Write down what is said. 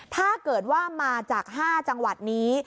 ถ้าเกิดว่ามาจาก๕จังหวัดนี้